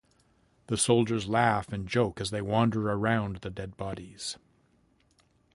The soldiers laugh and joke as they wander around the dead bodies.